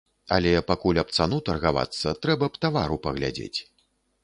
Але, пакуль аб цану таргавацца, трэба б тавару паглядзець.